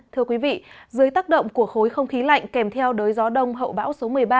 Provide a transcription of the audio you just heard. thưa quý vị dưới tác động của khối không khí lạnh kèm theo đới gió đông hậu bão số một mươi ba